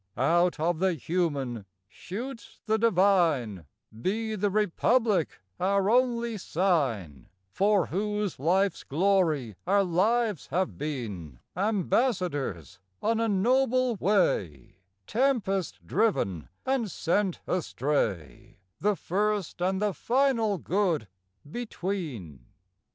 Out of the human shoots the divine: Be the Republic our only sign, For whose life's glory our lives have been Ambassadors on a noble way Tempest driven, and sent astray The first and the final good between.